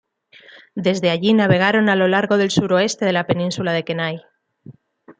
Desde allí navegaron a lo largo del suroeste de la península de Kenai.